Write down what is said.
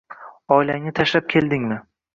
Oilangni tashlab keldingmi